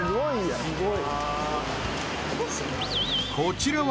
わすごい！